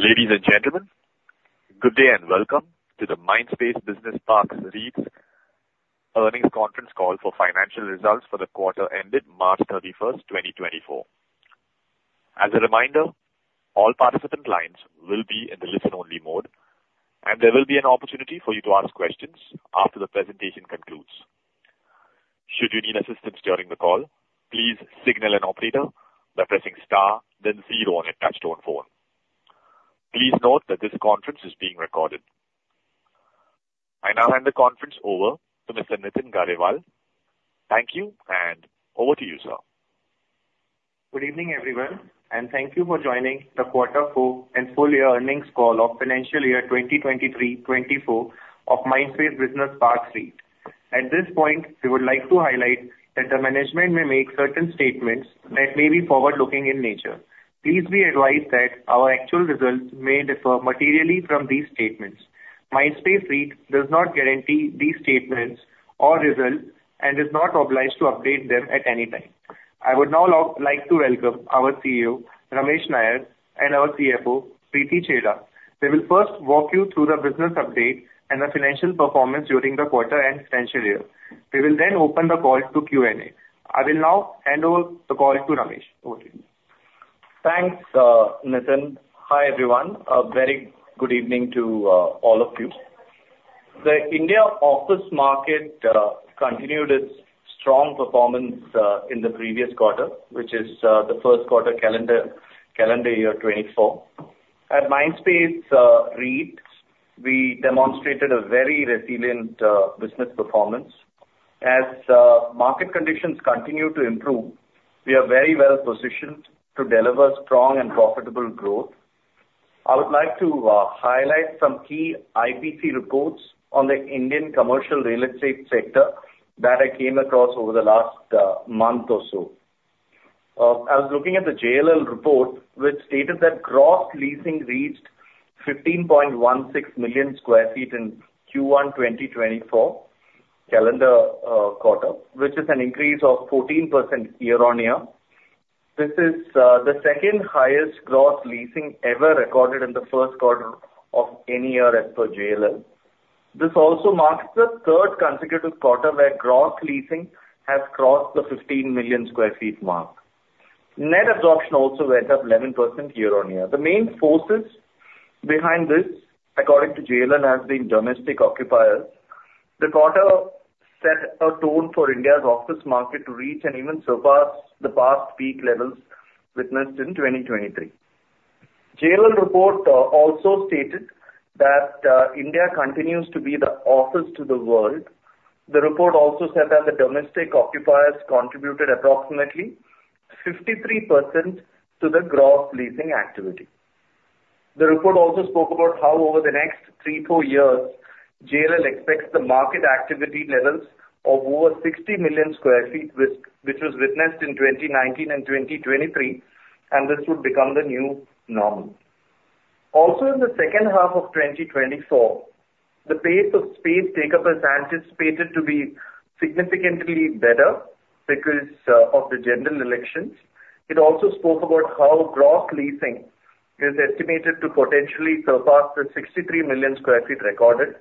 Ladies and gentlemen, good day and welcome to the Mindspace Business Parks REIT's earnings conference call for financial results for the quarter ended March 31, 2024. As a reminder, all participant lines will be in the listen-only mode, and there will be an opportunity for you to ask questions after the presentation concludes. Should you need assistance during the call, please signal an operator by pressing star, then zero on your touch-tone phone. Please note that this conference is being recorded. I now hand the conference over to Mr. Nitin Garewal. Thank you, and over to you, sir. Good evening, everyone, and thank you for joining the quarter-four and full-year earnings call of financial year 2023/24 of Mindspace Business Parks REIT. At this point, we would like to highlight that the management may make certain statements that may be forward-looking in nature. Please be advised that our actual results may differ materially from these statements. Mindspace REIT does not guarantee these statements or results and is not obliged to update them at any time. I would now like to welcome our CEO, Ramesh Nair, and our CFO, Preeti Chheda. They will first walk you through the business update and the financial performance during the quarter and financial year. They will then open the call to Q&A. I will now hand over the call to Ramesh. Over to you. Thanks, Nitin. Hi, everyone. A very good evening to all of you. The India office market continued its strong performance in the previous quarter, which is the first quarter calendar year 2024. At Mindspace REIT, we demonstrated a very resilient business performance. As market conditions continue to improve, we are very well positioned to deliver strong and profitable growth. I would like to highlight some key IPC reports on the Indian commercial real estate sector that I came across over the last month or so. I was looking at the JLL report, which stated that gross leasing reached 15.16 million sq ft in Q1 2024 calendar quarter, which is an increase of 14% year-on-year. This is the second highest gross leasing ever recorded in the first quarter of any year as per JLL. This also marks the third consecutive quarter where gross leasing has crossed the 15 million sq ft mark. Net absorption also went up 11% year-on-year. The main forces behind this, according to JLL, have been domestic occupiers. The quarter set a tone for India's office market to reach and even surpass the past peak levels witnessed in 2023. JLL report also stated that India continues to be the office to the world. The report also said that the domestic occupiers contributed approximately 53% to the gross leasing activity. The report also spoke about how over the next three to four years, JLL expects the market activity levels of over 60 million sq ft, which was witnessed in 2019 and 2023, and this would become the new normal. Also, in the second half of 2024, the pace of space takeovers anticipated to be significantly better because of the general elections. It also spoke about how gross leasing is estimated to potentially surpass the 63 million sq ft recorded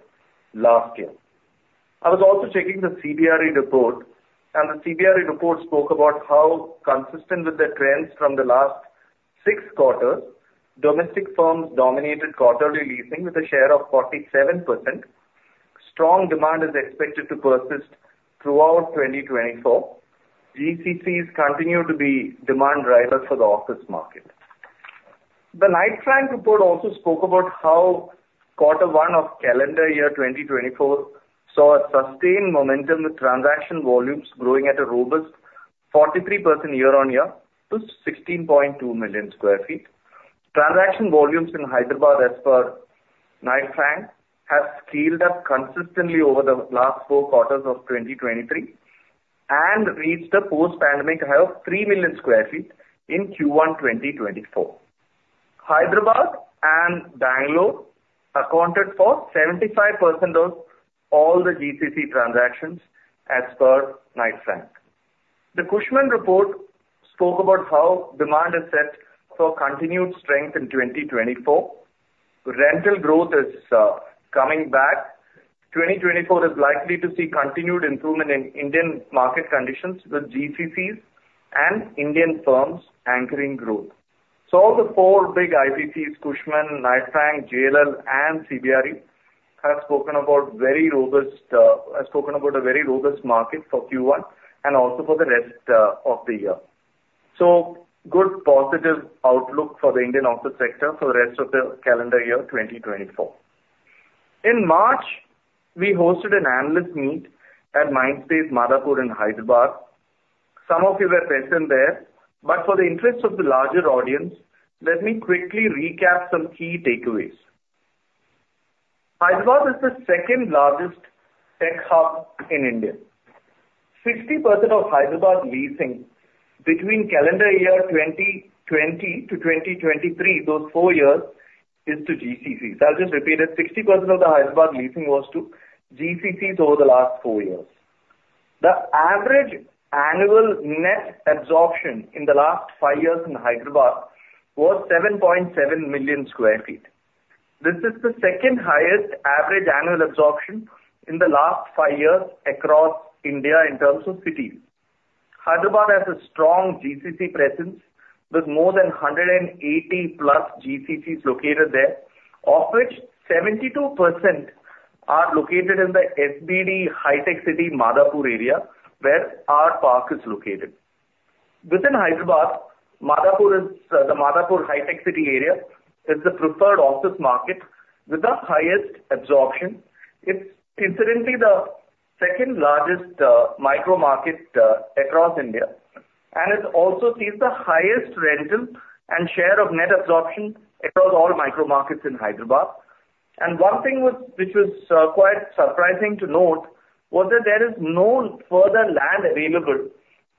last year. I was also checking the CBRE report, and the CBRE report spoke about how consistent with the trends from the last six quarters, domestic firms dominated quarterly leasing with a share of 47%. Strong demand is expected to persist throughout 2024. GCCs continue to be demand drivers for the office market. The Knight Frank report also spoke about how quarter one of calendar year 2024 saw a sustained momentum with transaction volumes growing at a robust 43% year-on-year to 16.2 million sq ft. Transaction volumes in Hyderabad as per Knight Frank have scaled up consistently over the last four quarters of 2023 and reached a post-pandemic high of 3 million sq ft in Q1 2024. Hyderabad and Bangalore accounted for 75% of all the GCC transactions as per Knight Frank. The Cushman report spoke about how demand is set for continued strength in 2024. Rental growth is coming back. 2024 is likely to see continued improvement in Indian market conditions with GCCs and Indian firms anchoring growth. So all the four big IPCs, Cushman, Knight Frank, JLL, and CBRE, have spoken about a very robust market for Q1 and also for the rest of the year. So good positive outlook for the Indian office sector for the rest of the calendar year 2024. In March, we hosted an analyst meet at Mindspace Madhapur in Hyderabad. Some of you were present there, but for the interest of the larger audience, let me quickly recap some key takeaways. Hyderabad is the second-largest tech hub in India. 60% of Hyderabad leasing between calendar year 2020 to 2023, those four years, is to GCCs. I'll just repeat it: 60% of the Hyderabad leasing was to GCCs over the last four years. The average annual net absorption in the last five years in Hyderabad was 7.7 million sq ft. This is the second highest average annual absorption in the last five years across India in terms of cities. Hyderabad has a strong GCC presence with more than 180+ GCCs located there, of which 72% are located in the SBD HITEC City Madhapur area where our park is located. Within Hyderabad, the Madhapur HITEC City area is the preferred office market with the highest absorption. It's, incidentally, the second-largest micro-market across India, and it also sees the highest rental and share of net absorption across all micro-markets in Hyderabad. One thing which was quite surprising to note was that there is no further land available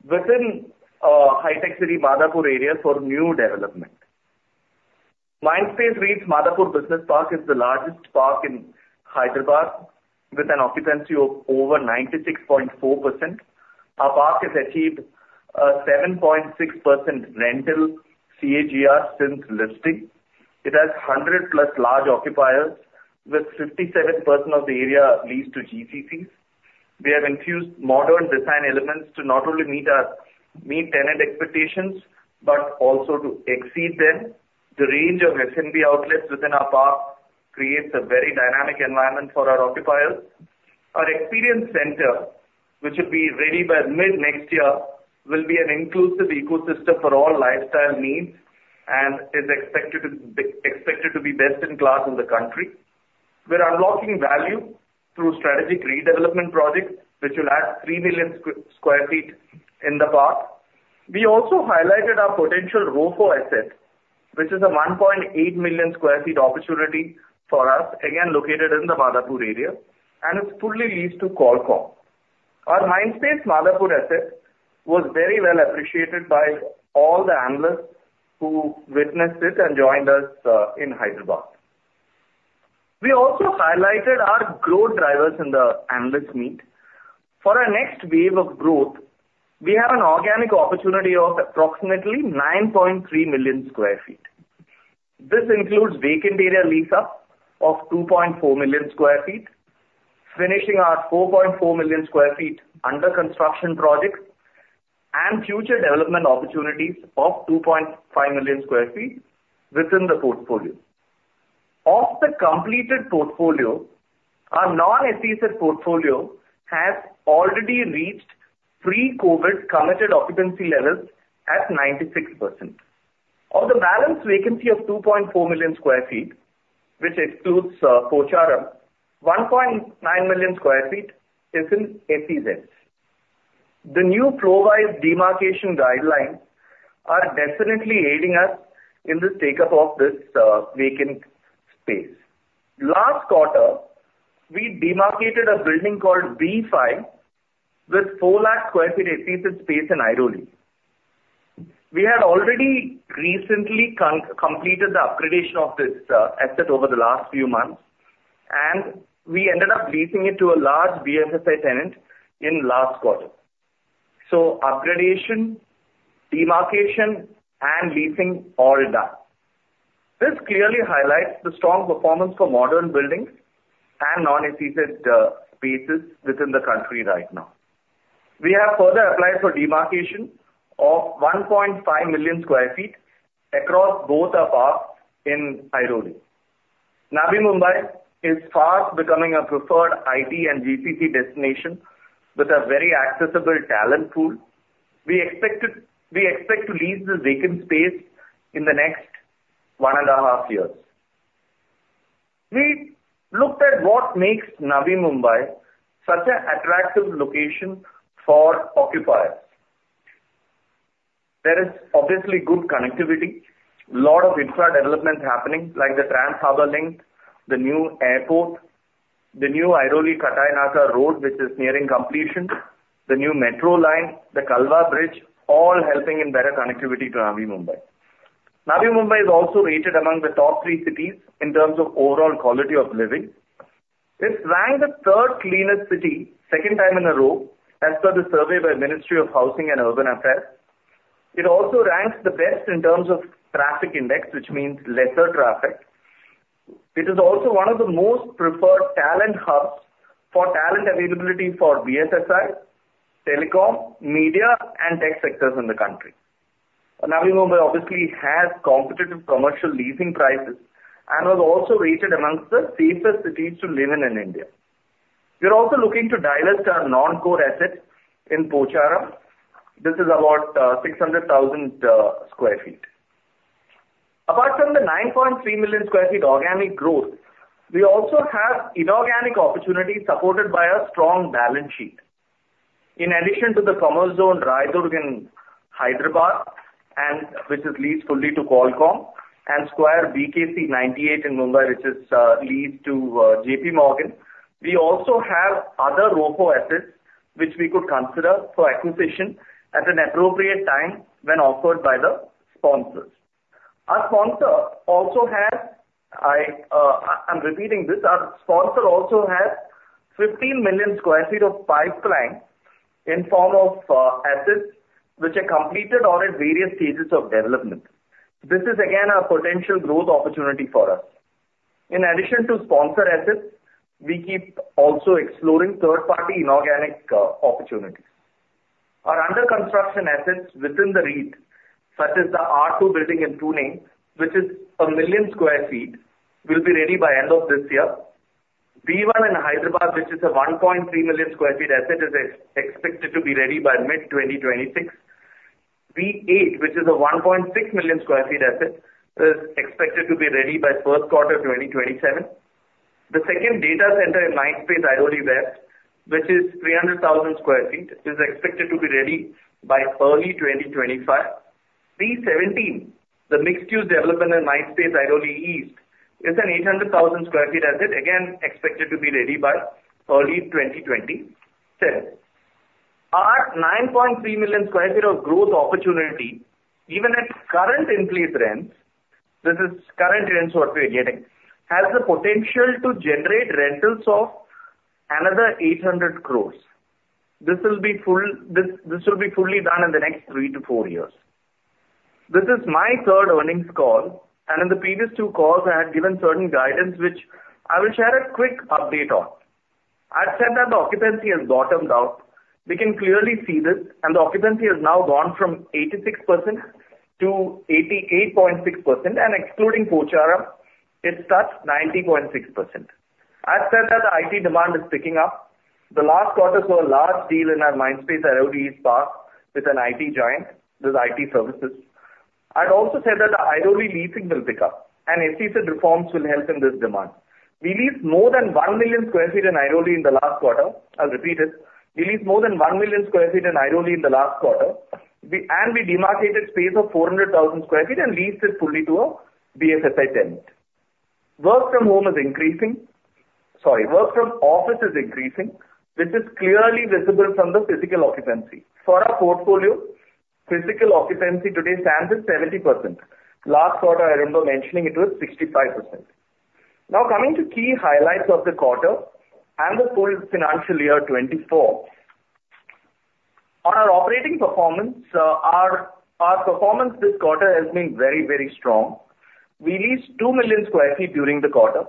within HITEC City Madhapur area for new development. Mindspace REIT's Madhapur Business Park is the largest park in Hyderabad with an occupancy of over 96.4%. Our park has achieved a 7.6% rental CAGR since listing. It has 100-plus large occupiers, with 57% of the area leased to GCCs. We have infused modern design elements to not only meet tenant expectations but also to exceed them. The range of F&B outlets within our park creates a very dynamic environment for our occupiers. Our experience center, which will be ready by mid-next year, will be an inclusive ecosystem for all lifestyle needs and is expected to be best in class in the country. We're unlocking value through strategic redevelopment projects, which will add 3 million sq ft in the park. We also highlighted our potential ROFO asset, which is a 1.8 million sq ft opportunity for us, again located in the Madhapur area, and it's fully leased to Qualcomm. Our Mindspace Madhapur asset was very well appreciated by all the analysts who witnessed it and joined us in Hyderabad. We also highlighted our growth drivers in the analyst meet. For our next wave of growth, we have an organic opportunity of approximately 9.3 million sq ft. This includes vacant area lease-up of 2.4 million sq ft, finishing our 4.4 million sq ft under-construction projects, and future development opportunities of 2.5 million sq ft within the portfolio. Of the completed portfolio, our non-SEZ portfolio has already reached pre-COVID committed occupancy levels at 96%. Of the balanced vacancy of 2.4 million sq ft, which excludes Pocharam, 1.9 million sq ft is in SEZ. The new flow-wise demarcation guidelines are definitely aiding us in the take-up of this vacant space. Last quarter, we demarcated a building called B5 with 4 Lakh sq ft SEZ space in Airoli. We had already recently completed the upgradation of this asset over the last few months, and we ended up leasing it to a large BFSI tenant in last quarter. So upgradation, demarcation, and leasing, all done. This clearly highlights the strong performance for modern buildings and non-SEZ spaces within the country right now. We have further applied for demarcation of 1.5 million sq ft across both our parks in Airoli. Navi Mumbai is fast becoming a preferred IT and GCC destination with a very accessible talent pool. We expect to lease this vacant space in the next one and a half years. We looked at what makes Navi Mumbai such an attractive location for occupiers. There is obviously good connectivity, a lot of infra development happening like the Trans Harbour Link, the new airport, the new Airoli Katai Naka Road, which is nearing completion, the new metro line, the Kalwa Bridge, all helping in better connectivity to Navi Mumbai. Navi Mumbai is also rated among the top three cities in terms of overall quality of living. It's ranked the third cleanest city, second time in a row, as per the survey by the Ministry of Housing and Urban Affairs. It also ranks the best in terms of traffic index, which means lesser traffic. It is also one of the most preferred talent hubs for talent availability for BFSI, telecom, media, and tech sectors in the country. Navi Mumbai obviously has competitive commercial leasing prices and was also rated among the safest cities to live in in India. We're also looking to divest our non-core assets in Pocharam. This is about 600,000 sq ft. Apart from the 9.3 million sq ft organic growth, we also have inorganic opportunities supported by a strong balance sheet. In addition to the Commerzone Raidurg in Hyderabad, which leads fully to Qualcomm, and The Square BKC 98 in Mumbai, which leads to JPMorgan, we also have other ROFO assets which we could consider for acquisition at an appropriate time when offered by the sponsors. Our sponsor also has I'm repeating this: our sponsor also has 15 million sq ft of pipeline in form of assets which are completed or at various stages of development. This is, again, a potential growth opportunity for us. In addition to sponsor assets, we keep also exploring third-party inorganic opportunities. Our under-construction assets within the REIT, such as the R2 Building in Pune, which is 1 million sq ft, will be ready by end of this year. B1 in Hyderabad, which is a 1.3 million sq ft asset, is expected to be ready by mid-2026. B8, which is a 1.6 million sq ft asset, is expected to be ready by first quarter 2027. The second data center in Mindspace Airoli West, which is 300,000 sq ft, is expected to be ready by early 2025. B17, the mixed-use development in Mindspace Airoli East, is an 800,000 sq ft asset, again expected to be ready by early 2027. Our 9.3 million sq ft of growth opportunity, even at current in-place rents, this is current rents what we're getting, has the potential to generate rentals of another 800 crore. This will be fully done in the next three to four years. This is my 3rd earnings call, and in the previous two calls, I had given certain guidance which I will share a quick update on. I'd said that the occupancy has bottomed out. We can clearly see this, and the occupancy has now gone from 86% to 88.6%. Excluding Pocharam, it's touched 90.6%. I'd said that the IT demand is picking up. The last quarter saw a large deal in our Mindspace Airoli East Park with an IT giant, with IT services. I'd also said that the Airoli leasing will pick up, and SEZ reforms will help in this demand. We leased more than 1 million sq ft in Airoli in the last quarter. I'll repeat it: we leased more than 1 million sq ft in Airoli in the last quarter, and we demarcated space of 400,000 sq ft and leased it fully to a BFSI tenant. Work from home is increasing, sorry, work from office is increasing, which is clearly visible from the physical occupancy. For our portfolio, physical occupancy today stands at 70%. Last quarter, I remember mentioning it was 65%. Now, coming to key highlights of the quarter and the full financial year 2024. On our operating performance, our performance this quarter has been very, very strong. We leased 2 million sq ft during the quarter,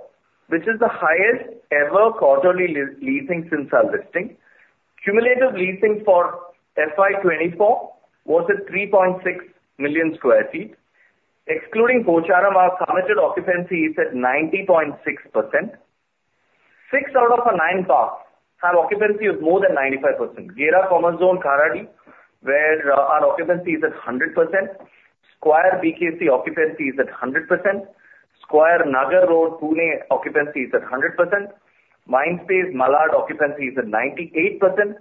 which is the highest-ever quarterly leasing since our listing. Cumulative leasing for FY 2024 was at 3.6 million sq ft. Excluding Pocharam, our committed occupancy is at 90.6%. Six out of nine parks have occupancy of more than 95%: Gera Commerzone Kharadi, where our occupancy is at 100%; Square BKC occupancy is at 100%; Square Nagar Road, Pune, occupancy is at 100%; Mindspace Malad occupancy is at 98%;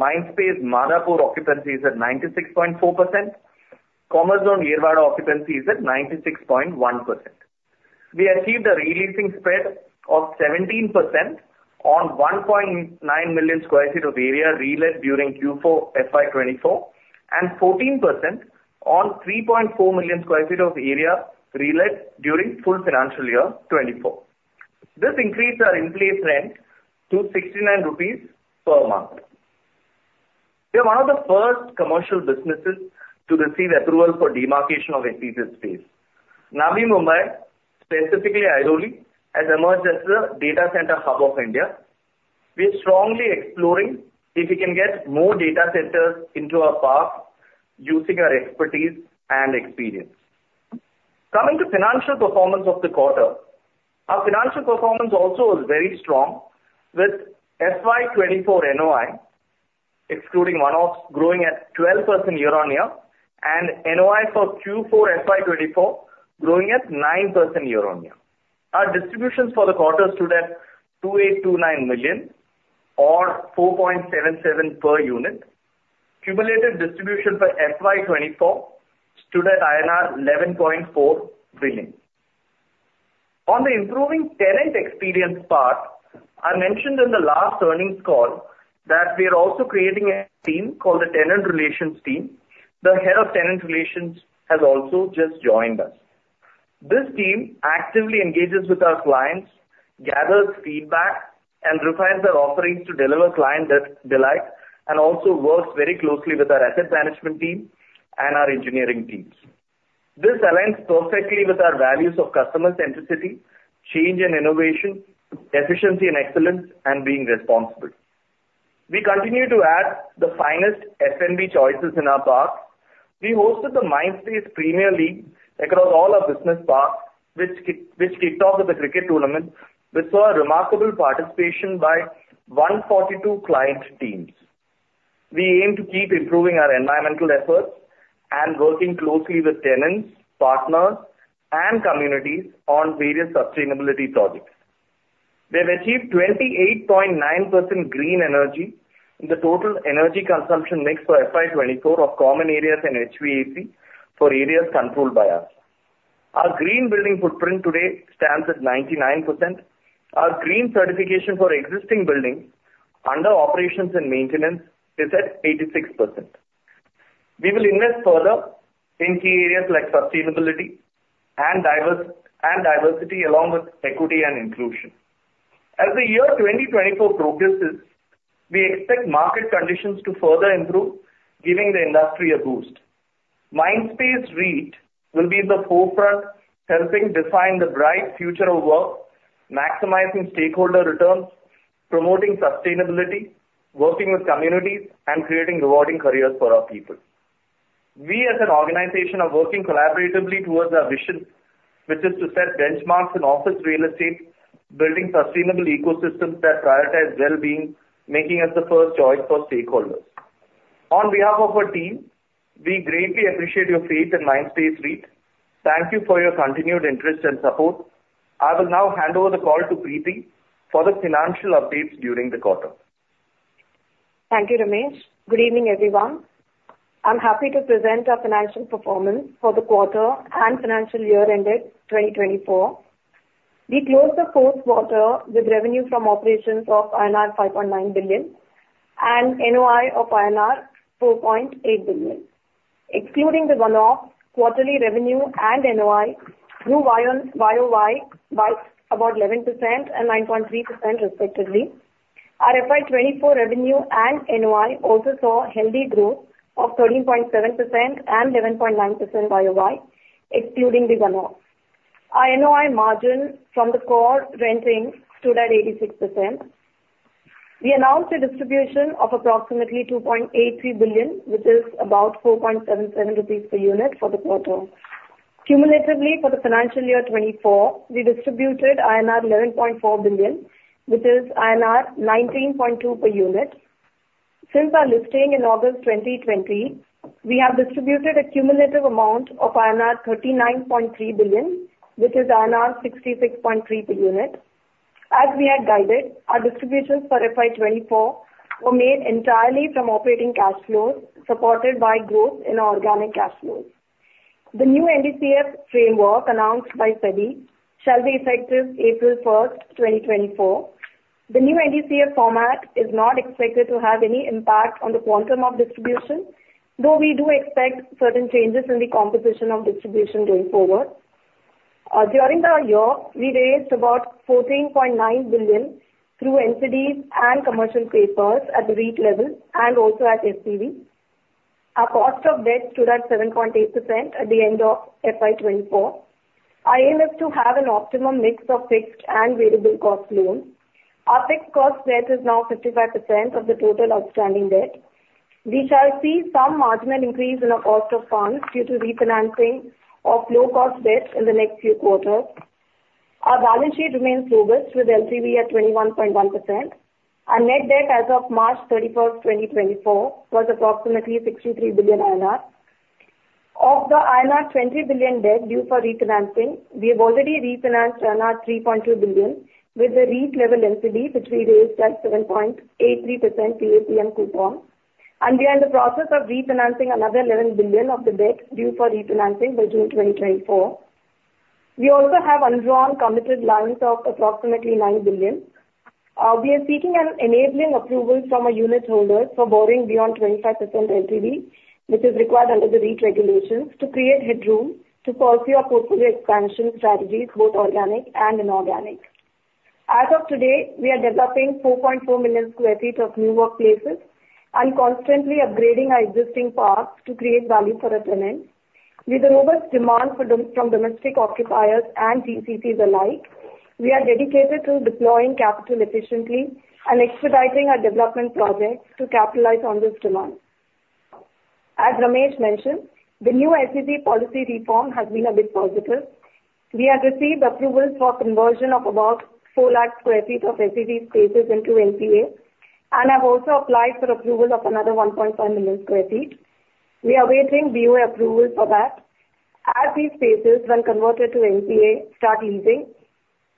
Mindspace Madhapur occupancy is at 96.4%, Commerzone Yerawada occupancy is at 96.1%. We achieved a releasing spread of 17% on 1.9 million sq ft of area relet during Q4 FY 2024 and 14% on 3.4 million sq ft of area relet during full financial year 2024. This increased our in-place rent to 69 rupees per month. We are one of the first commercial businesses to receive approval for demarcation of SEZ space. Navi Mumbai, specifically Airoli, has emerged as the data center hub of India. We are strongly exploring if we can get more data centers into our parks using our expertise and experience. Coming to financial performance of the quarter, our financial performance also was very strong with FY 2024 NOI, excluding one-offs, growing at 12% year-on-year, and NOI for Q4 FY 2024 growing at 9% year-on-year. Our distributions for the quarter stood at 2,829 million or 4.77 per unit. Cumulative distribution for FY 2024 stood at INR 11.4 billion. On the improving tenant experience part, I mentioned in the last earnings call that we are also creating a team called the Tenant Relations Team. The head of tenant relations has also just joined us. This team actively engages with our clients, gathers feedback, and refines their offerings to deliver client delight, and also works very closely with our asset management team and our engineering teams. This aligns perfectly with our values of customer centricity, change and innovation, efficiency and excellence, and being responsible. We continue to add the finest F&B choices in our parks. We hosted the Mindspace Premier League across all our business parks, which kicked off with a cricket tournament, which saw remarkable participation by 142 client teams. We aim to keep improving our environmental efforts and working closely with tenants, partners, and communities on various sustainability projects. We have achieved 28.9% green energy in the total energy consumption mix for FY 2024 of common areas and HVAC for areas controlled by us. Our green building footprint today stands at 99%. Our green certification for existing buildings under operations and maintenance is at 86%. We will invest further in key areas like sustainability and diversity along with equity and inclusion. As the year 2024 progresses, we expect market conditions to further improve, giving the industry a boost. Mindspace REIT will be in the forefront, helping define the bright future of work, maximizing stakeholder returns, promoting sustainability, working with communities, and creating rewarding careers for our people. We, as an organization, are working collaboratively towards our vision, which is to set benchmarks in office real estate, building sustainable ecosystems that prioritize well-being, making us the first choice for stakeholders. On behalf of our team, we greatly appreciate your faith in Mindspace REIT. Thank you for your continued interest and support. I will now hand over the call to Preeti for the financial updates during the quarter. Thank you, Ramesh. Good evening, everyone. I'm happy to present our financial performance for the quarter and financial year ended 2024. We closed the fourth quarter with revenue from operations of INR 5.9 billion and NOI of INR 4.8 billion. Excluding the one-offs, quarterly revenue and NOI grew by about 11% and 9.3%, respectively. Our FY 2024 revenue and NOI also saw healthy growth of 13.7% and 11.9% year-on-year, excluding the one-offs. Our NOI margin from the core renting stood at 86%. We announced a distribution of approximately 2.83 billion, which is about 4.77 rupees per unit for the quarter. Cumulatively, for the financial year 2024, we distributed INR 11.4 billion, which is INR 19.2 per unit. Since our listing in August 2020, we have distributed a cumulative amount of INR 39.3 billion, which is INR 66.3 per unit. As we had guided, our distributions for FY 2024 were made entirely from operating cash flows supported by growth in our organic cash flows. The new NDCF framework announced by SEBI shall be effective April 1st, 2024. The new NDCF format is not expected to have any impact on the quantum of distribution, though we do expect certain changes in the composition of distribution going forward. During the year, we raised about 14.9 billion through NCDs and commercial papers at the REIT level and also at SCV. Our cost of debt stood at 7.8% at the end of FY 2024. Our aim is to have an optimum mix of fixed and variable cost loans. Our fixed cost debt is now 55% of the total outstanding debt. We shall see some marginal increase in our cost of funds due to refinancing of low-cost debt in the next few quarters. Our balance sheet remains robust with LTV at 21.1%. Our net debt as of March 31st, 2024, was approximately 63 billion INR. Of the INR 20 billion debt due for refinancing, we have already refinanced INR 3.2 billion with the REIT-level NCD, which we raised at 7.83% PAPM coupon. We are in the process of refinancing another 11 billion of the debt due for refinancing by June 2024. We also have undrawn committed lines of approximately 9 billion. We are seeking and enabling approvals from our unit holders for borrowing beyond 25% LTV, which is required under the REIT regulations, to create headroom to pursue our portfolio expansion strategies, both organic and inorganic. As of today, we are developing 4.4 million sq ft of new workplaces and constantly upgrading our existing parks to create value for our tenants. With the robust demand from domestic occupiers and GCCs alike, we are dedicated to deploying capital efficiently and expediting our development projects to capitalize on this demand. As Ramesh mentioned, the new SEZ policy reform has been a bit positive. We have received approvals for conversion of about 4 Lakh sq ft of SEZ spaces into NPA and have also applied for approval of another 1.5 million sq ft. We are awaiting BOA approval for that. As these spaces, when converted to NPA, start leasing,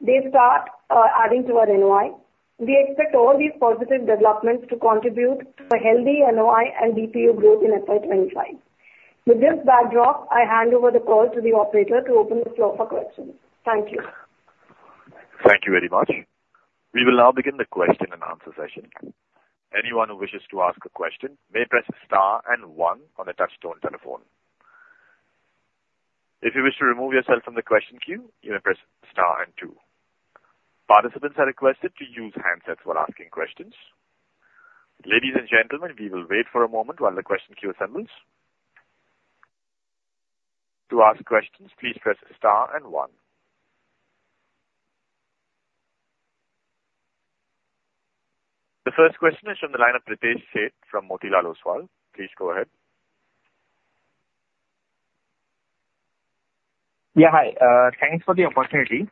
they start adding to our NOI. We expect all these positive developments to contribute to a healthy NOI and DPU growth in FY 2025. With this backdrop, I hand over the call to the operator to open the floor for questions. Thank you. Thank you very much. We will now begin the question and answer session. Anyone who wishes to ask a question may press star and one on the touch-tone telephone. If you wish to remove yourself from the question queue, you may press star and two. Participants are requested to use handsets while asking questions. Ladies and gentlemen, we will wait for a moment while the question queue assembles. To ask questions, please press star and one. The first question is from the line of Pritesh Sheth from Motilal Oswal. Please go ahead. Yeah, hi. Thanks for the opportunity.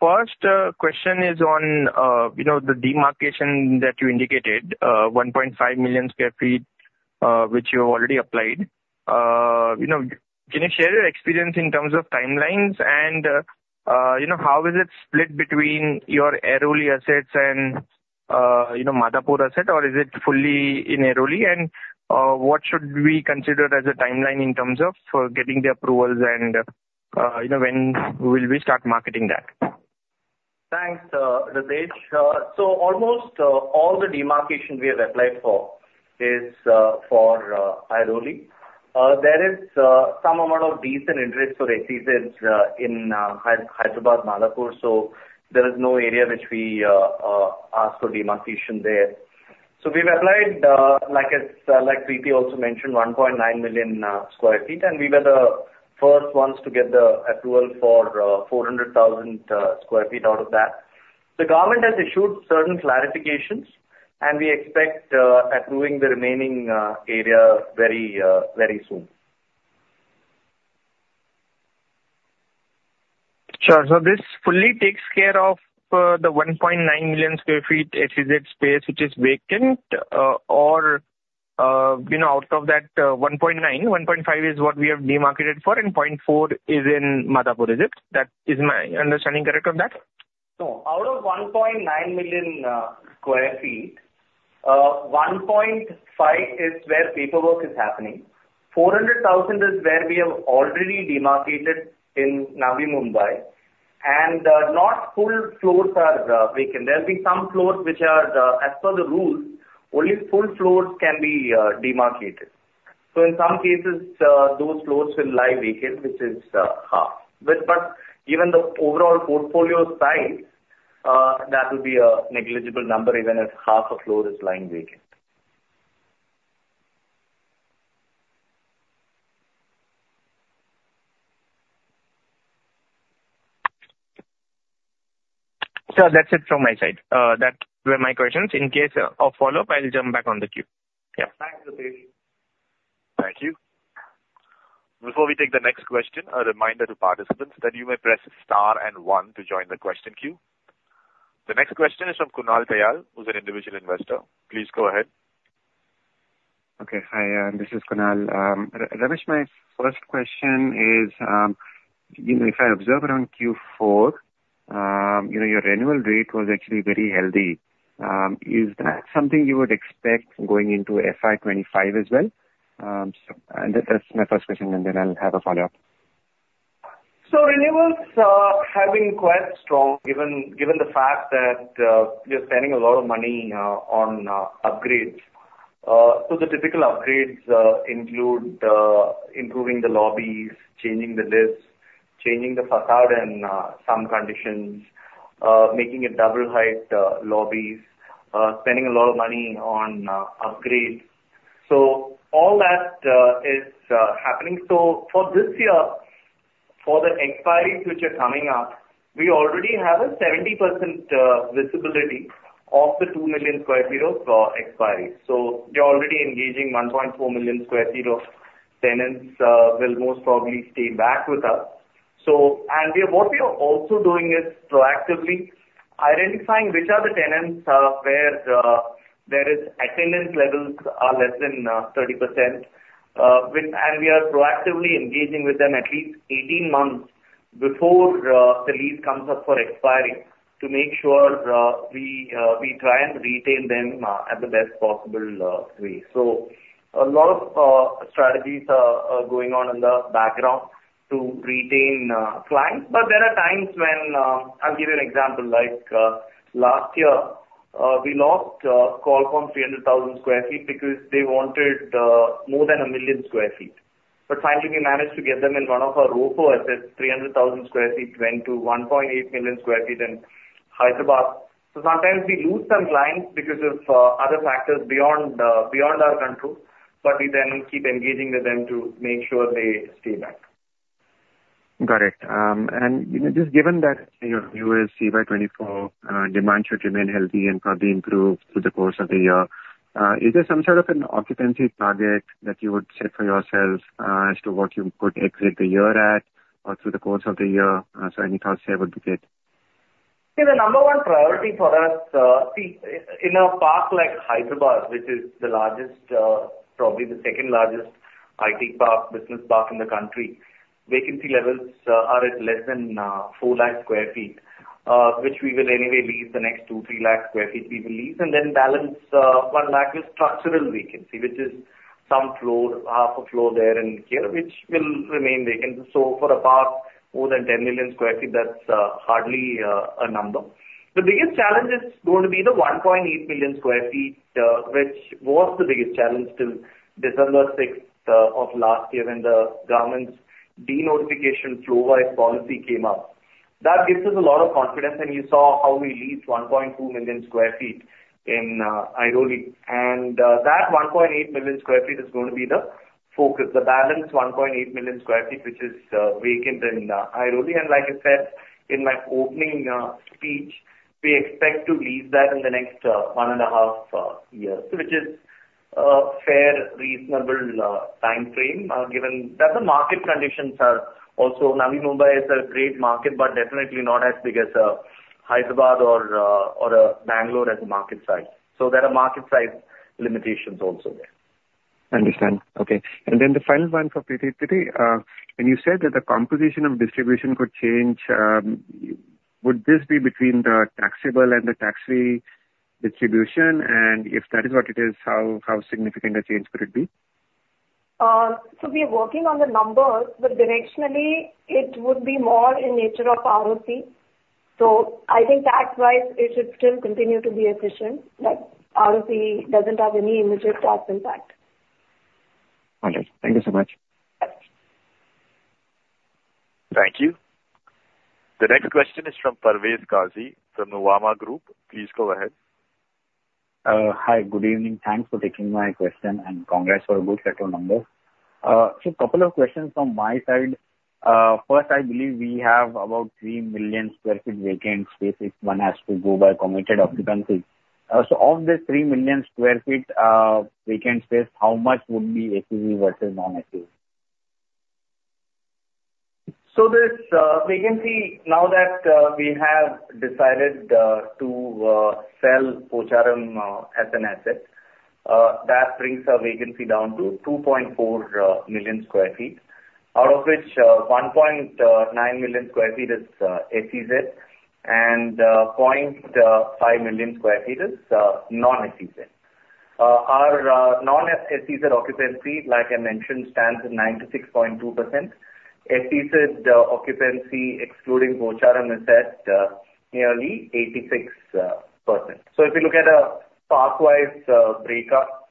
First question is on the demarcation that you indicated, 1.5 million sq ft, which you have already applied. Can you share your experience in terms of timelines, and how is it split between your Airoli assets and Madhapur asset, or is it fully in Airoli? And what should we consider as a timeline in terms of getting the approvals, and when will we start marketing that? Thanks, Pritesh. So almost all the demarcation we have applied for is for Airoli. There is some amount of decent interest for SEZs in Hyderabad-Madhapur, so there is no area which we ask for demarcation there. So we've applied, like Preeti also mentioned, 1.9 million sq ft, and we were the first ones to get the approval for 400,000 sq ft out of that. The government has issued certain clarifications, and we expect approving the remaining area very, very soon. Sure. So this fully takes care of the 1.9 million sq ft SEZ space which is vacant, or out of that 1.9, 1.5 is what we have demarcated for, and 0.4 is in Madhapur, is it? That is my understanding. Correct on that? No. Out of 1.9 million sq ft, 1.5 is where paperwork is happening. 400,000 is where we have already demarcated in Navi Mumbai, and not full floors are vacant. There will be some floors which are, as per the rules, only full floors can be demarcated. So in some cases, those floors will lie vacant, which is half. But given the overall portfolio size, that will be a negligible number, even if half a floor is lying vacant. Sure. That's it from my side. That were my questions. In case of follow-up, I'll jump back on the queue. Yeah. Thanks, Pritesh. Thank you. Before we take the next question, a reminder to participants that you may press star and one to join the question queue. The next question is from Kunal Tayal, who's an individual investor. Please go ahead. Okay. Hi, this is Kunal. Ramesh, my first question is, if I observe around Q4 your renewal rate was actually very healthy. Is that something you would expect going into FY 2025 as well? And that's my first question, and then I'll have a follow-up. So renewals are having quite strong, given the fact that you're spending a lot of money on upgrades. So the typical upgrades include improving the lobbies, changing the lifts, changing the facade and some conditions, making it double-height lobbies, spending a lot of money on upgrades. So all that is happening. So for this year, for the expiries which are coming up, we already have a 70% visibility of the 2 million sq ft of expiries. So we're already engaging 1.4 million sq ft of tenants will most probably stay back with us. And what we are also doing is proactively identifying which are the tenants where their attendance levels are less than 30%, and we are proactively engaging with them at least 18 months before the lease comes up for expiring to make sure we try and retain them at the best possible way. So a lot of strategies are going on in the background to retain clients, but there are times when I'll give you an example. Last year, we lost Colliers 300,000 sq ft because they wanted more than 1 million sq ft. But finally, we managed to get them in one of our ROFO assets. 300,000 sq ft went to 1.8 million sq ft in Hyderabad. So sometimes we lose some clients because of other factors beyond our control, but we then keep engaging with them to make sure they stay back. Got it. And just given that you'll see 2024 demand should remain healthy and probably improve through the course of the year, is there some sort of an occupancy target that you would set for yourselves as to what you could exit the year at or through the course of the year? So any thoughts there would be good. See, the number one priority for us, see, in a park like Hyderabad, which is probably the second largest IT park, business park in the country, vacancy levels are at less than 4 Lakhs sq ft, which we will anyway lease the next 2-3 Lakhs sq ft we will lease and then balance 1 Lakh with structural vacancy, which is some floor, half a floor there and here, which will remain vacant. So for a park more than 10,000,000 sq ft, that's hardly a number. The biggest challenge is going to be the 1.8 million sq ft, which was the biggest challenge till December 6th of last year when the government's de-notification floor-wise policy came out. That gives us a lot of confidence, and you saw how we leased 1,200,000 sq ft in Airoli. That 1.8 million sq ft is going to be the focus, the balance 1.8 million sq ft, which is vacant in Airoli. Like I said in my opening speech, we expect to lease that in the next one and a half years, which is a fair, reasonable time frame given that the market conditions are also. Navi Mumbai is a great market, but definitely not as big as Hyderabad or Bangalore as a market size. So there are market size limitations also there. Understand. Okay. Then the final one for Preeti. Preeti, when you said that the composition of distribution could change, would this be between the taxable and the tax-free distribution? If that is what it is, how significant a change could it be? We are working on the numbers, but directionally, it would be more in nature of ROC. So I think tax-wise, it should still continue to be efficient. ROC doesn't have any immediate tax impact. All right. Thank you so much. Thank you. The next question is from Parvez Qazi from Nuvama Group. Please go ahead. Hi. Good evening. Thanks for taking my question, and congrats for a good set of numbers. So a couple of questions from my side. First, I believe we have about 3 million sq ft vacant space if one has to go by committed occupancy. So of the 3 million sq ft vacant space, how much would be SEZ versus non-SEZ? So this vacancy, now that we have decided to sell Pocharam as an asset, that brings our vacancy down to 2.4 million sq ft, out of which 1.9 million sq ft is SEZ, and 0.5 million sq ft is non-SEZ. Our non-SEZ occupancy, like I mentioned, stands at 96.2%. SEZ occupancy, excluding Pocharam asset, nearly 86%. So if you look at a park-wise breakup,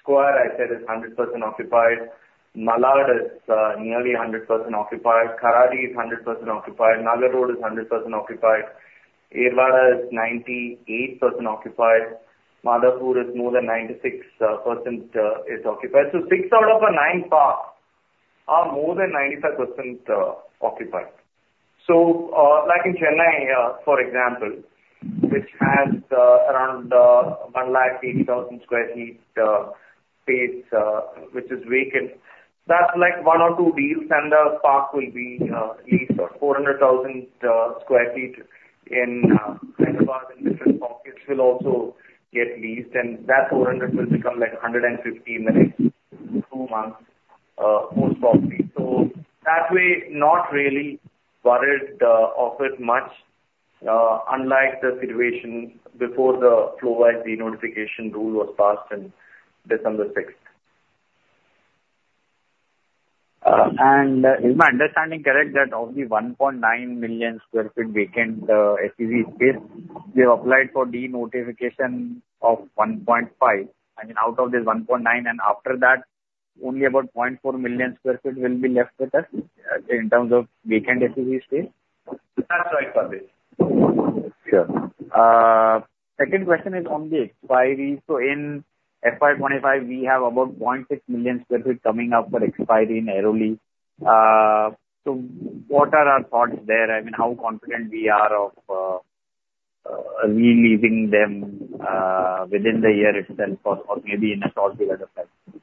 Square, I said, is 100% occupied. Malad is nearly 100% occupied. Kharadi is 100% occupied. Nagar Road is 100% occupied. Yerawada is 98% occupied. Madhapur is more than 96% occupied. So six out of nine parks are more than 95% occupied. So like in Chennai, for example, which has around 180,000 sq ft space which is vacant, that's one or two deals, and the park will be leased. 400,000 sq ft in Hyderabad in different pockets will also get leased, and that 400 will become 150 million in two months, most probably. So that way, not really worried of it much, unlike the situation before the floor-wise de-notification rule was passed on December 6th. Is my understanding correct that of the 1.9 million sq ft vacant SEZ space, we have applied for de-notification of 1.5? I mean, out of this 1.9 and after that, only about 0.4 million sq ft will be left with us in terms of vacant SEZ space? That's right, Parvez. Sure. Second question is on the expiries. In FY 2025, we have about 0.6 million sq ft coming up for expiry in Airoli. What are our thoughts there? I mean, how confident we are of re-leasing them within the year itself or maybe in a short period of time?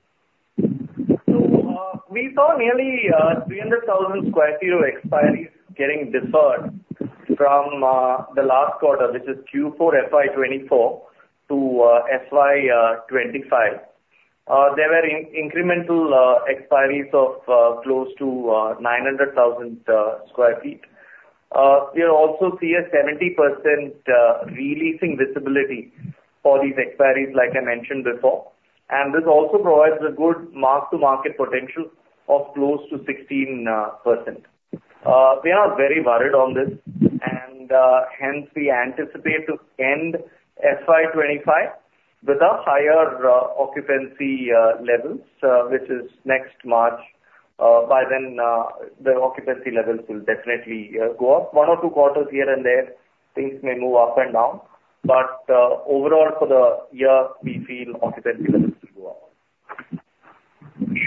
We saw nearly 300,000 sq ft of expiries getting deferred from the last quarter, which is Q4 FY 2024, to FY 2025. There were incremental expiries of close to 900,000 sq ft. We also see a 70% releasing visibility for these expiries, like I mentioned before. And this also provides a good mark-to-market potential of close to 16%. We are not very worried on this, and hence, we anticipate to end FY 2025 with a higher occupancy level, which is next March. By then, the occupancy levels will definitely go up. One or two quarters here and there, things may move up and down. But overall, for the year, we feel occupancy levels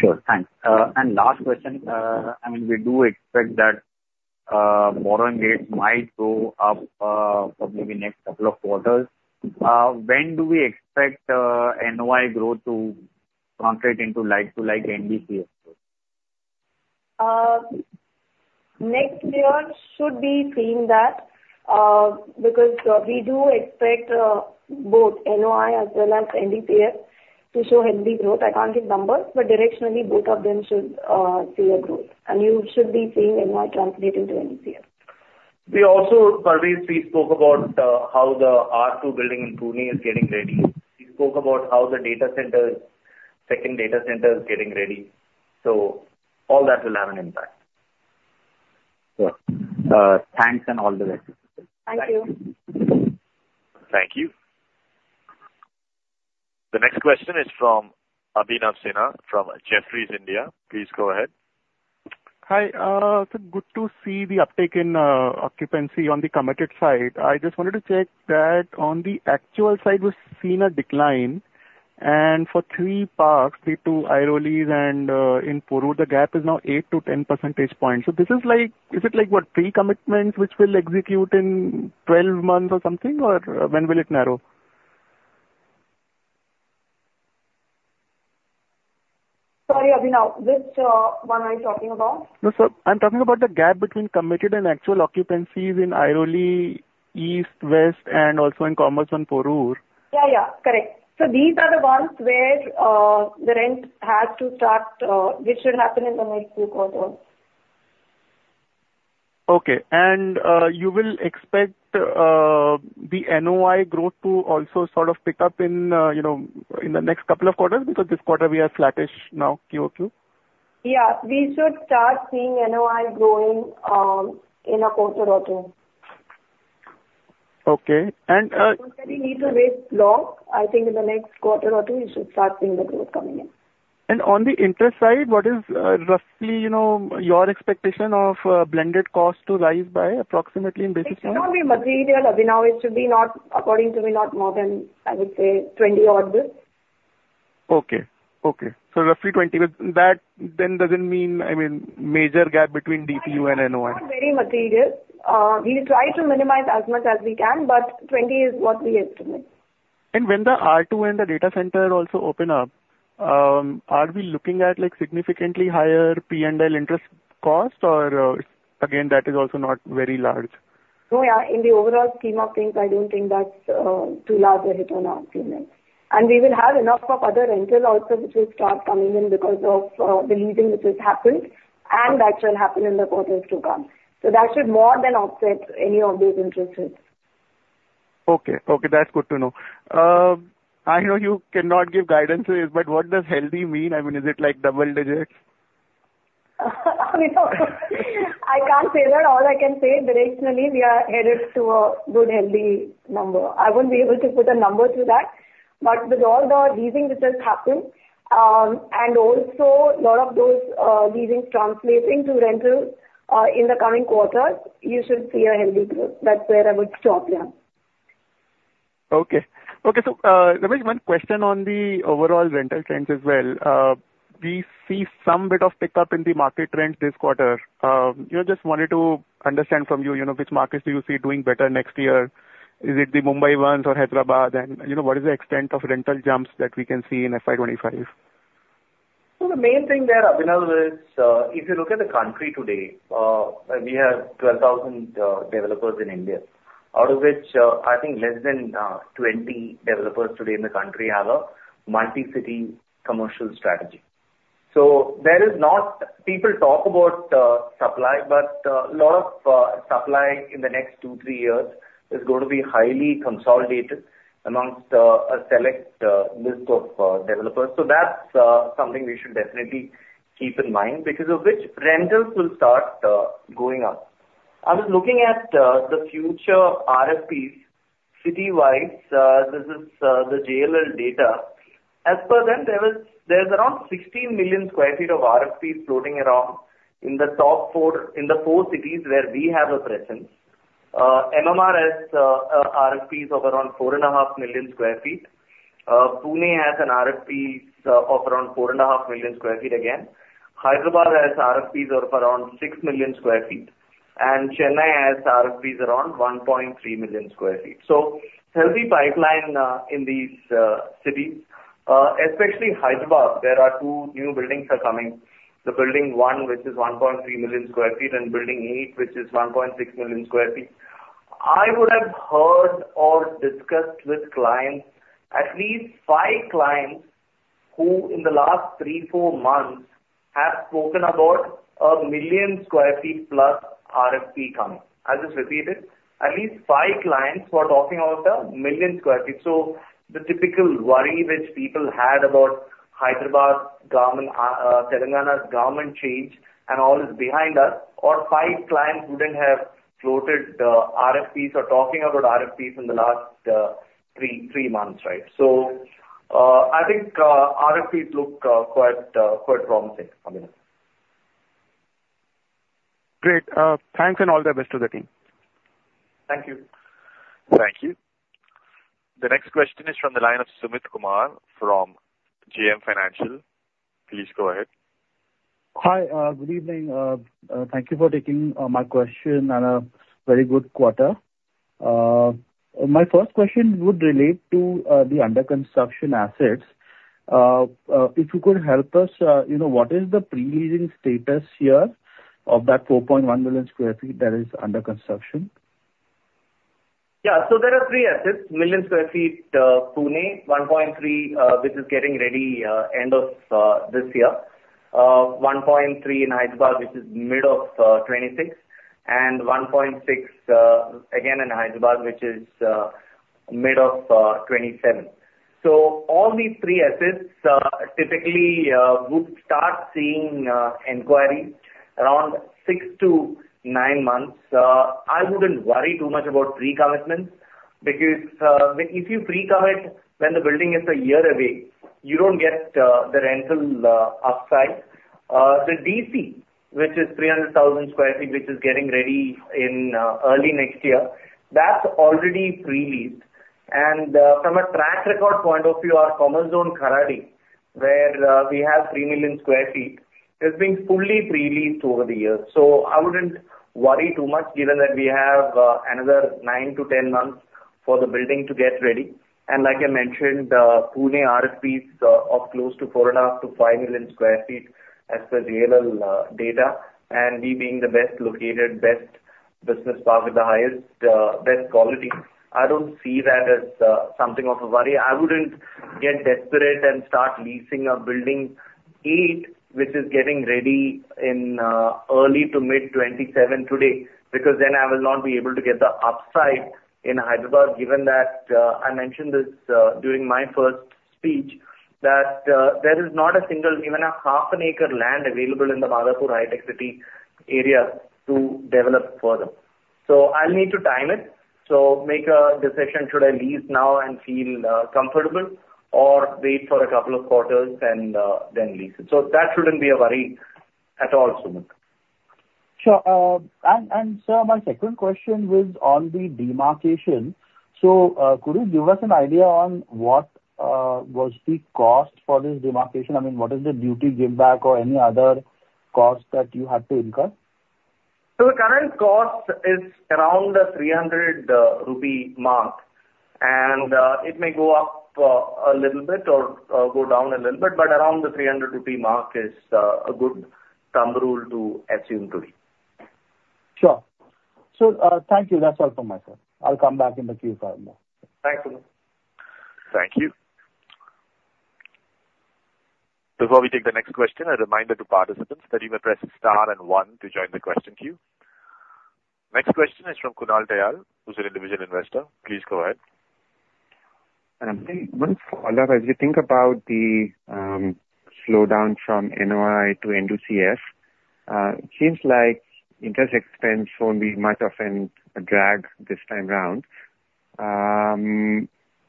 will go up. Sure. Thanks. And last question. I mean, we do expect that borrowing rates might go up for maybe next couple of quarters. When do we expect NOI growth to translate into like-to-like NDCF growth? Next year, should be seeing that because we do expect both NOI as well as NDCF to show healthy growth. I can't give numbers, but directionally, both of them should see a growth. And you should be seeing NOI translate into NDCF. Parvez, we spoke about how the R2 building in Pune is getting ready. We spoke about how the second data center is getting ready. So all that will have an impact. Sure. Thanks and all the best. Thank you. Thank you. The next question is from Abhinav Sinha from Jefferies India. Please go ahead. Hi. It's good to see the uptake in occupancy on the committed side. I just wanted to check that on the actual side, we've seen a decline. And for three parks, the two Airoli's and in Porur, the gap is now 8-10 percentage points. So is it what, three commitments which will execute in 12 months or something, or when will it narrow? Sorry, Abhinav. Which one are you talking about? No, sir. I'm talking about the gap between committed and actual occupancies in Airoli East, West, and also in Commerzone Porur. Yeah, yeah. Correct. So these are the ones where the rent has to start which should happen in the next two quarters. Okay. And you will expect the NOI growth to also sort of pick up in the next couple of quarters because this quarter, we are flattish now, QOQ? Yeah. We should start seeing NOI growing in a quarter or two. Okay. And don't tell me we need to wait long. I think in the next quarter or two, you should start seeing the growth coming in. And on the interest side, what is roughly your expectation of blended cost to rise by approximately in basis points? It should not be material. Abhinav, it should be according to me, not more than, I would say, 20-odd basis points. Okay. Okay. So roughly 20. That then doesn't mean, I mean, major gap between DPU and NOI. It's not very material. We try to minimize as much as we can, but 20 is what we estimate. And when the R2 and the data center also open up, are we looking at significantly higher P&L interest cost, or again, that is also not very large? No, yeah. In the overall scheme of things, I don't think that's too large a hit on our payments. And we will have enough of other rentals also which will start coming in because of the leasing which has happened and that shall happen in the quarters to come. So that should more than offset any of those interest hits. Okay. Okay. That's good to know. I know you cannot give guidances, but what does healthy mean? I mean, is it double digits? I can't say that. All I can say, directionally, we are headed to a good, healthy number. I won't be able to put a number to that. But with all the leasing which has happened and also a lot of those leasings translating to rentals in the coming quarters, you should see a healthy growth. That's where I would stop there. Okay. Okay. So there is one question on the overall rental trends as well. We see some bit of pickup in the market trends this quarter. Just wanted to understand from you, which markets do you see doing better next year? Is it the Mumbai ones or Hyderabad? And what is the extent of rental jumps that we can see in FY 2025? So the main thing there, Abhinav, is if you look at the country today, we have 12,000 developers in India, out of which I think less than 20 developers today in the country have a multi-city commercial strategy. So people talk about supply, but a lot of supply in the next two, three years is going to be highly consolidated amongst a select list of developers. So that's something we should definitely keep in mind because of which rentals will start going up. I was looking at the future RFPs city-wise. This is the JLL data. As per them, there's around 16 million sq ft of RFPs floating around in the four cities where we have a presence. MMR has RFPs of around 4.5 million sq ft. Pune has an RFP of around 4.5 million sq ft again. Hyderabad has RFPs of around 6 million sq ft, and Chennai has RFPs around 1.3 million sq ft. So healthy pipeline in these cities, especially Hyderabad, there are two new buildings that are coming, the building 1 which is 1.3 million sq ft and building 8 which is 1.6 million sq ft. I would have heard or discussed with clients, at least 5 clients who in the last 3-4 months have spoken about 1 million sq ft plus RFP coming. I'll just repeat it. At least five clients were talking about 1 million sq ft. So the typical worry which people had about Telangana's government change and all is behind us, or five clients wouldn't have floated RFPs or talking about RFPs in the last 3 months, right? So I think RFPs look quite promising, Abhinav. Great. Thanks and all the best to the team. Thank you. Thank you. The next question is from the line of Sumit Kumar from JM Financial. Please go ahead. Hi. Good evening. Thank you for taking my question and a very good quarter. My first question would relate to the under-construction assets. If you could help us, what is the pre-leasing status here of that 4.1 million sq ft that is under construction? Yeah. So there are three assets: 1.3 million sq ft Pune, which is getting ready end of this year, 1.3 million sq ft in Hyderabad which is mid of 2026, and 1.6 million sq ft again in Hyderabad which is mid of 2027. So all these three assets typically would start seeing inquiries around 6-9 months. I wouldn't worry too much about pre-commitments because if you pre-commit when the building is 1 year away, you don't get the rental upside. The DC which is 300,000 sq ft which is getting ready in early next year, that's already pre-leased. From a track record point of view, our Commerzone Kharadi, where we have 3 million sq ft, has been fully pre-leased over the years. I wouldn't worry too much given that we have another 9-10 months for the building to get ready. Like I mentioned, Pune RFPs of close to 4.5-5 million sq ft as per JLL data and we being the best located, best business park with the highest quality. I don't see that as something of a worry. I wouldn't get desperate and start leasing a Building 8 which is getting ready in early- to mid-2027 today because then I will not be able to get the upside in Hyderabad given that I mentioned this during my first speech, that there is not a single, even a half an acre land available in the Madhapur High-Tech City area to develop further. So I'll need to time it, so make a decision, should I lease now and feel comfortable or wait for a couple of quarters and then lease it? So that shouldn't be a worry at all, Sumit. Sure. And sir, my second question was on the demarcation. So could you give us an idea on what was the cost for this demarcation? I mean, what is the duty give-back or any other cost that you had to incur? So the current cost is around the 300 rupee mark, and it may go up a little bit or go down a little bit, but around the 300 rupee mark is a good thumb rule to assume today. Sure. So thank you. That's all from me, sir. I'll come back in the Q&A more. Thanks, Sumit. Thank you. Before we take the next question, a reminder to participants that you may press star and one to join the question queue. Next question is from Kunal Tayal, who's an individual investor. Please go ahead. And I'm thinking one follow-up. As we think about the slowdown from NOI to NDCF, it seems like interest expense won't be much of a drag this time around.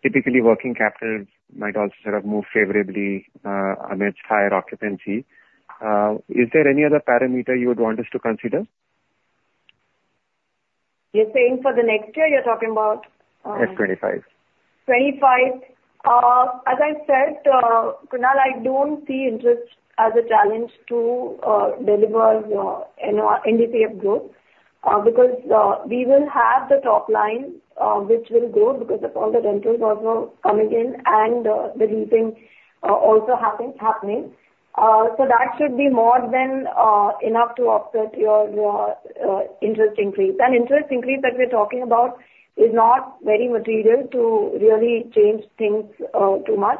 Typically, working capital might also sort of move favorably amidst higher occupancy. Is there any other parameter you would want us to consider? You're saying for the next year you're talking about? FY 2025. FY 2025. As I said, Kunal, I don't see interest as a challenge to deliver NDCF growth because we will have the top line which will grow because of all the rentals also coming in and the leasing also happening. So that should be more than enough to offset your interest increase. And interest increase that we're talking about is not very material to really change things too much.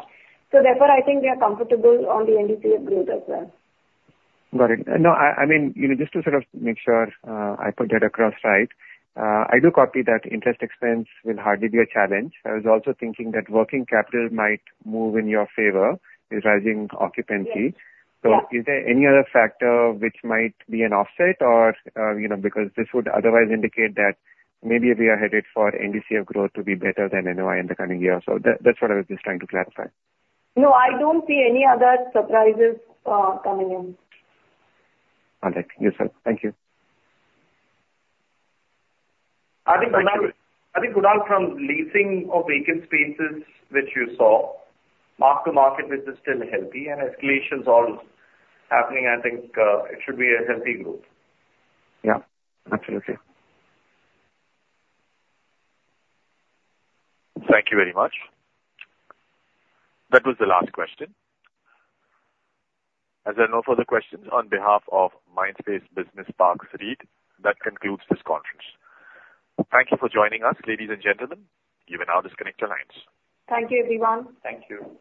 So therefore, I think we are comfortable on the NDCF growth as well. Got it. No, I mean, just to sort of make sure I put that across right, I do copy that interest expense will hardly be a challenge. I was also thinking that working capital might move in your favor with rising occupancy. So is there any other factor which might be an offset because this would otherwise indicate that maybe we are headed for NDCF growth to be better than NOI in the coming year? So that's what I was just trying to clarify. No, I don't see any other surprises coming in. All right. You're set. Thank you. I think, Kunal, from leasing of vacant spaces which you saw, mark-to-market which is still healthy and escalations all happening, I think it should be a healthy growth. Yeah. Absolutely. Thank you very much. That was the last question. As there are no further questions, on behalf of Mindspace Business Parks REIT, that concludes this conference. Thank you for joining us, ladies and gentlemen. You may now disconnect your lines. Thank you, everyone. Thank you.